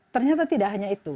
ternyata tidak hanya itu